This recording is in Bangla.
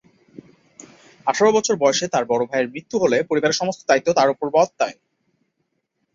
আঠারো বছর বয়সে তার বড়ো ভাইয়ের মৃত্যু হলে পরিবারের সমস্ত দায়িত্ব তার ওপর বর্তায়।